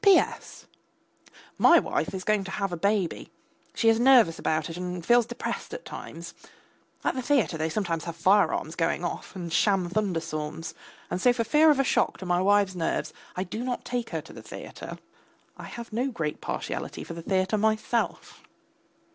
P.S. My wife is going to have a baby; she is nervous about it and feels depressed at times. At the theatre they sometimes have fire arms going off and sham thunderstorms. And so for fear of a shock to my wife's nerves I do not take her to the theatre. I have no great partiality for the theatre myself.